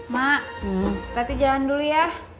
mak tapi jalan dulu ya